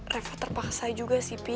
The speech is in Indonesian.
reva terpaksa juga sih pi